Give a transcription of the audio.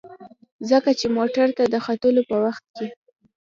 ځکه چې موټر ته د ختلو په وخت کې.